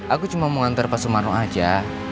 aku cuma mau ngantar pak sumarno aja